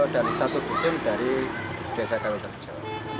dan satu dusun dari desa kawis rejo